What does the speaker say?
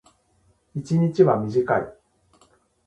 一日は短い。